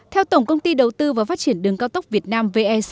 theo tổng công ty đầu tư và phát triển đường cao tốc việt nam vec